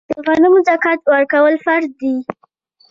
د غنمو زکات ورکول فرض دي.